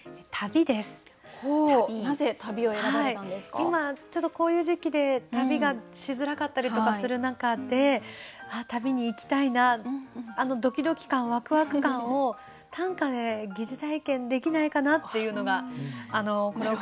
今ちょっとこういう時期で旅がしづらかったりとかする中で旅に行きたいなあのドキドキ感ワクワク感を短歌で疑似体験できないかなっていうのがこれを考え始めたきっかけだったんですけれど